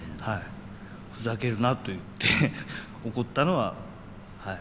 ふざけるなと言って怒ったのははい。